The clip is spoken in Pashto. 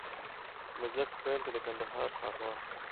د مجلس په پیل کي د کندهار ښاروال